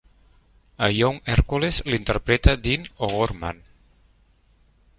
A "Young Hercules", l'interpreta Dean O'Gorman.